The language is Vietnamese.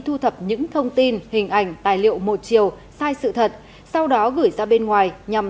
thu thập những thông tin hình ảnh tài liệu một chiều sai sự thật sau đó gửi ra bên ngoài nhằm